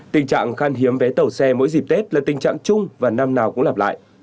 tình trạng khan hiếm vé tàu xe mỗi dịp tết là tình trạng chung và năm nào cũng lặp lại